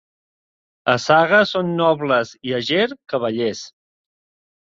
A Saga són nobles i a Ger, cavallers.